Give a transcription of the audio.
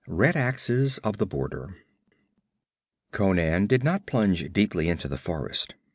6 Red Axes of the Border Conan did not plunge deeply into the forest.